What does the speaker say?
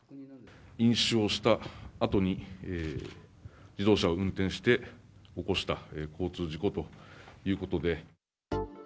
飲酒をしたあとに自動車を運転して起こした交通事故ということで。